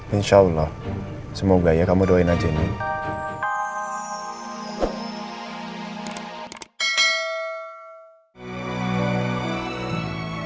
insya allah semoga ya kamu doain aja nih